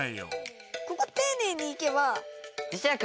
ここていねいに行けば。